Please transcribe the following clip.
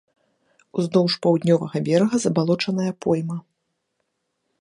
Уздоўж паўднёвага берага забалочаная пойма.